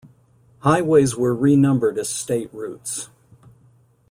Highways were renumbered as state routes.